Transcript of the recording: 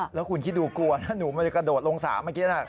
แล้วคุณคิดดูกลัวถ้าหนูมันจะกระโดดลงสระเมื่อกี้นะ